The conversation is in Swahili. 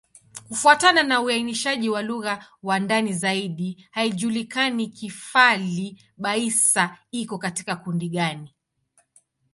Kufuatana na uainishaji wa lugha kwa ndani zaidi, haijulikani Kifali-Baissa iko katika kundi gani.